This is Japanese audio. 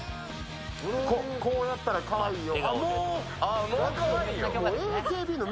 こうやったらかわいいよ。